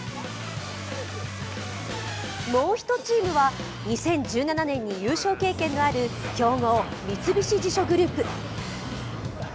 もう１チームは、２０１７年に優勝経験のある強豪・三菱地所グループ。